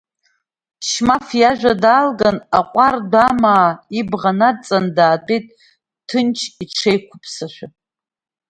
Шьмаф иажәа даалган, аҟәардә амаа ибӷа надҵаны даатәеит, ҭынч иҽеикәаԥсашәа.